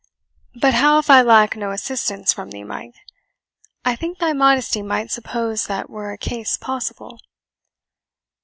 "But how if I lack no assistance from thee, Mike? I think thy modesty might suppose that were a case possible."